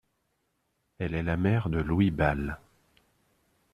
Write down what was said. Elle est la mère de Louis Ball.